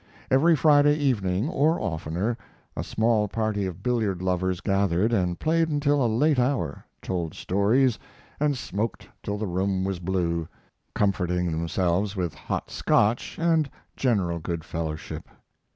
Every Friday evening, or oftener, a small party of billiard lovers gathered, and played until a late hour, told stories, and smoked till the room was blue, comforting themselves with hot Scotch and general good fellowship.